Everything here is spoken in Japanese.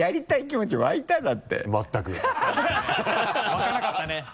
湧かなかったね。